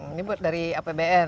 ini buat dari apbn